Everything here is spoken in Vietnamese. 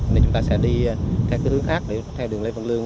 nên chúng ta sẽ đi theo hướng khác theo đường lê văn lương